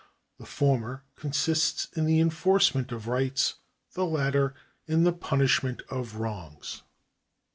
The former consists in the enforcement of rights, the latter in the punish ment of wrongs.